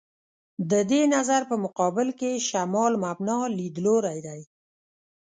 د دې نظر په مقابل کې «شمال مبنا» لیدلوری دی.